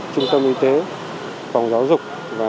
trung tâm y tế phòng giáo dục